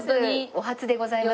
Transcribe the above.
お初でございます。